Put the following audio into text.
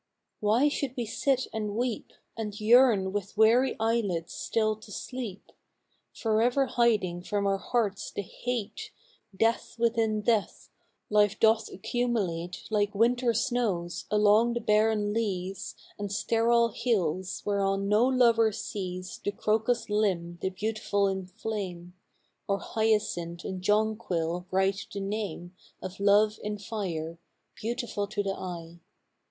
Why should we sit and weep, And yearn with weary eyelids still to sleep? Forever hiding from our hearts the hate, Death within death, life doth accumulate, Like winter snows, along the barren leas And sterile hills, whereon no lover sees The crocus limn the beautiful in flame; Or hyacinth and jonquil write the name Of love in fire, beautiful to the eye.